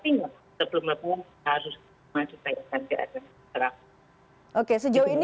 artinya sebelum mampu harus maju ke agensi terang